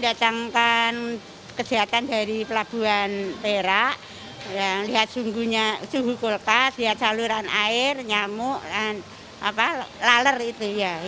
datangkan kesehatan dari pelabuhan perak lihat suhu kulkas lihat saluran air nyamuk laler itu